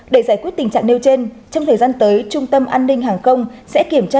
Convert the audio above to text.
để giải quyết tình trạng nêu trên trong thời gian tới trung tâm an ninh hàng không sẽ kiểm tra